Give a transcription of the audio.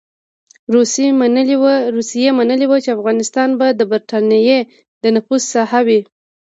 روسيې منلې وه چې افغانستان به د برټانیې د نفوذ ساحه وي.